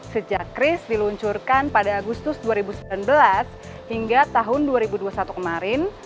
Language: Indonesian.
sejak kris diluncurkan pada agustus dua ribu sembilan belas hingga tahun dua ribu dua puluh satu kemarin